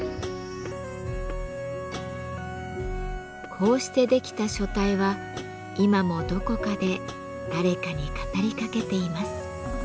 こうして出来た書体は今もどこかで誰かに語りかけています。